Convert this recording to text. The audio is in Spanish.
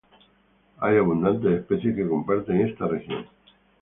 Hay abundantes especies que comparten esta región.